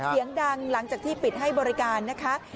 เสียงดังหลังจากที่ปิดให้บริการนะคะ